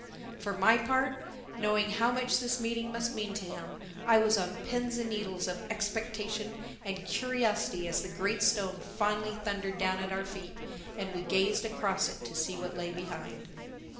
For my part, knowing how much this meeting must mean to him, I was on pins and needles of expectation and curiosity as the great stone finally thundered down at our feet and we gazed across it to see what lay behind.